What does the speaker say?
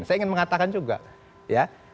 saya ingin mengatakan juga ya